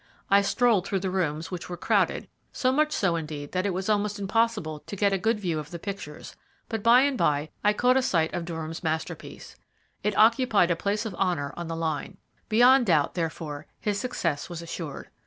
I strolled through the rooms, which were crowded, so much so indeed that it was almost impossible to get a good view of the pictures; but by and by I caught a sight of Durham's masterpiece. It occupied a place of honour on the line. Beyond doubt, therefore, his success was assured.